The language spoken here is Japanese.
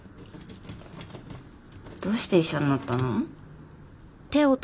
どうして医者になったの？